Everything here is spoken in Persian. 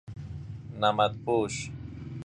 نمد پوش